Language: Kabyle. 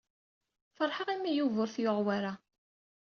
Feṛḥeɣ imi Yuba ur t-yuɣ wara.